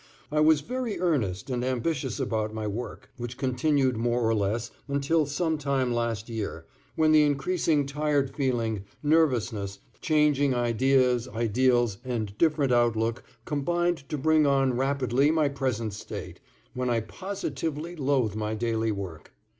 I was very earnest and ambitious about my work, which continued more or less until some time last year, when the increasing tired feeling, nervousness, changing ideas, ideals and different outlook combined to bring on rapidly my present state, when I positively loathe my daily work.